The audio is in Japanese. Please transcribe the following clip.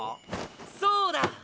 そうだ！